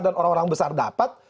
dan orang orang besar dapat